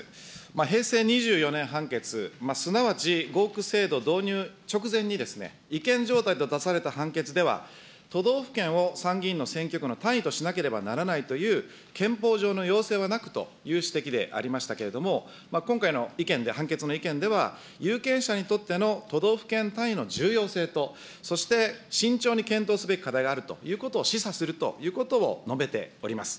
平成２４年判決、すなわち合区制度導入直前に違憲状態と出された判決では、都道府県を参議院の選挙区の単位としなければならないという、憲法上のようせいはなくという指摘でありましたけれども、今回の意見で、判決の意見では、有権者にとっての都道府県単位の重要性と、そして、慎重に検討すべき課題であるということを示唆するということを述べております。